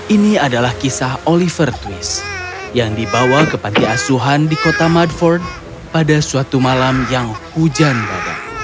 ini adalah kisah oliver twist yang dibawa ke panti asuhan di kota mudford pada suatu malam yang hujan badak